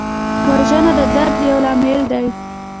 وژنه د درد یو لامل دی